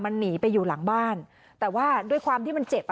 มันหนีไปอยู่หลังบ้านแต่ว่าด้วยความที่มันเจ็บอ่ะ